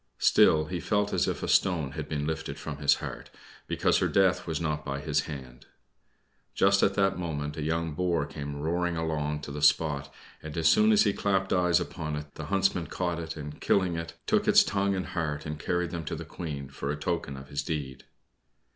Still he felt as if a stone had been lifted from his heart, because her death was not by his hand. Just at that moment a young boar came roaring along to the spot, and as soon as he clapped eyes upon it the Huntsman caught it, and, killing it, took its tongue and heart and carried them to the Queen, for a token of his deed.